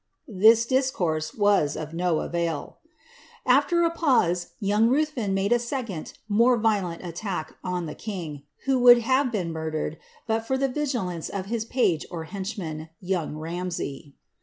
This discourse was of no avail. After a pause, young Ruthven made a second, more violent, attack on the king, who would have been murdered, but for tlie vigilance of his page or henchman* young Ramsay.